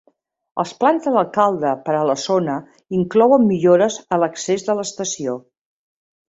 Els plans de l'alcalde per a la zona inclouen millores a l'accés de l'estació.